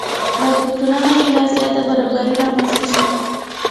باید په ټولنه کې لا زیاته برابري رامنځته شي.